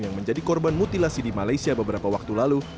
yang menjadi korban mutilasi di malaysia beberapa waktu lalu